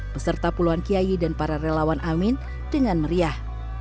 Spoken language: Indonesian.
beserta puluhan kiai dan para relawan amin dengan meriah